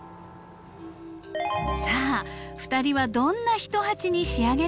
さあ２人はどんな一鉢に仕上げるのでしょうか。